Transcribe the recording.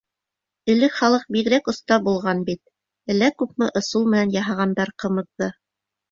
Элек халыҡ бигерәк оҫта булған бит, әллә күпме ысул менән яһағандар ҡымыҙҙы.